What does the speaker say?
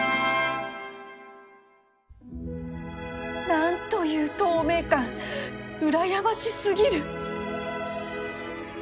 何という透明感うらやまし過ぎる！